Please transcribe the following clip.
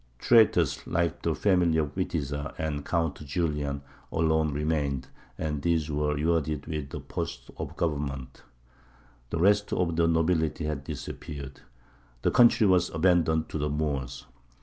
Traitors, like the family of Witiza and Count Julian, alone remained, and these were rewarded with posts of government. The rest of the nobility had disappeared; the country was abandoned to the Moors.